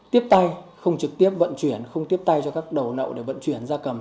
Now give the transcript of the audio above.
tiếp tay không trực tiếp vận chuyển không tiếp tay cho các đầu nậu để vận chuyển ra cầm